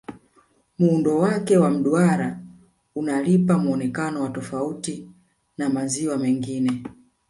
muundo Wake wa mduara unalipa muonekano wa tafauti na maziwa mengine